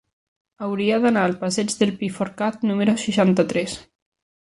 Hauria d'anar al passeig del Pi Forcat número seixanta-tres.